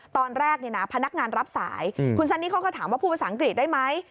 ตอนแรกเนี่ยนะพนักงานรับสายคุณซันนี่เขาก็ถามว่าพูดภาษาอังกฤษได้ไหม